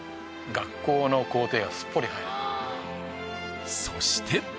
学校の校庭がすっぽり入るわそして！